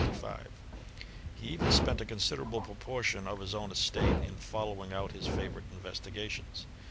Ts He even spent a considerable proportion of his odi^ estate in following out his favourite investigations.